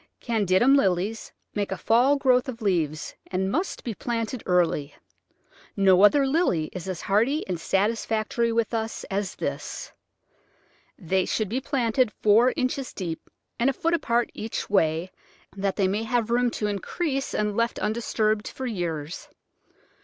Can didum Lilies make a fall growth of leaves, and must be planted early; no other Lily is as hardy and satis factory with us as this. They should be planted four inches deep and a foot apart each way, that they may have room to increase, and left undisturbed for years.